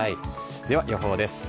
では予報です。